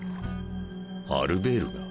アルベールが？